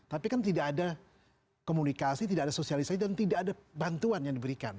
tapi kan tidak ada komunikasi tidak ada sosialisasi dan tidak ada bantuan yang diberikan